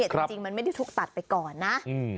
แต่จริงมันไม่ได้ถูกตัดไปก่อนนะ